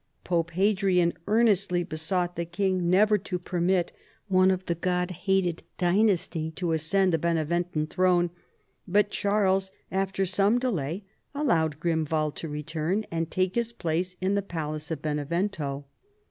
Pope Hadrian earnestly besought the king never to permit one of the God hated dynasty to ascend the Beneventan throne, but Charles, after some delay, allowed Grim wald to return and take his place in the palace of Benevento.